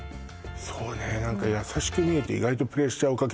そうね優しく見えて意外とプレッシャーをかけるタイプなんだ